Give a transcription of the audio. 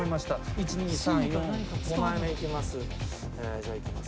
１２３４５枚目いきます。